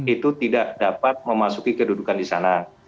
itu tidak dapat memasuki kedudukan di sana